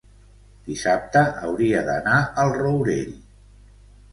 dissabte hauria d'anar al Rourell.